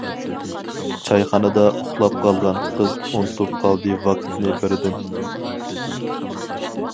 چايخانىدا ئۇخلاپ قالغان قىز ئۇنتۇپ قالدى ۋاقىتنى بىردىن.